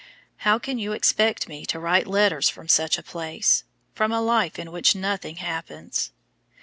How can you expect me to write letters from such a place, from a life "in which nothing happens"?